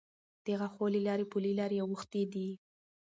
د غاښو له لارې پلې لارې اوښتې دي.